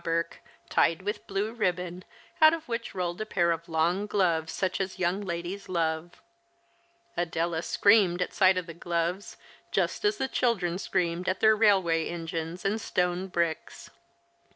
He had even a packet for Miss Hawberk, tied with blue ribbon, out of which rolled a pair of long gloves such as young ladies love. Adela screamed at sight of the gloves, just as the children screamed at their railway engines and stone bricks.